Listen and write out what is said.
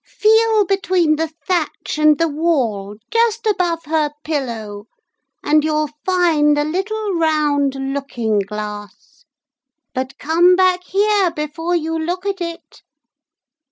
Feel between the thatch and the wall just above her pillow, and you'll find a little round looking glass. But come back here before you look at it.'